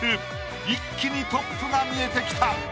一気にトップが見えてきた。